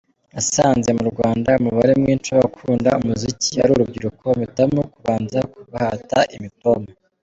Nasanze mu Rwanda umubare mwinshi w’abakunda umuziki ari urubyiruko, mpitamo kubanza kubahata imitoma.